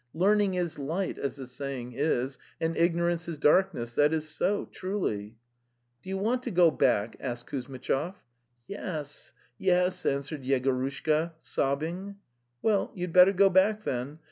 Learning is light, as the saying is, and ignorance 1s darkness. ... That is so, truly." " Do you want to go back?" asked Kuzmitchov. "Yes... yes, ... answered Yegorushka, sobbing. "Well, you'd better go back then.